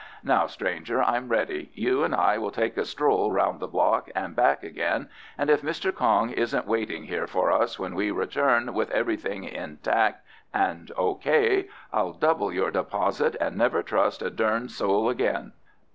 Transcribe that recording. Now, stranger, I'm ready. You and I will take a stroll round the block and back again, and if Mr. Kong isn't waiting here for us when we return with everything intact and O.K., I'll double your deposit and never trust a durned soul again."